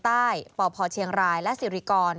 ใต้ปพเชียงรายและสิริกร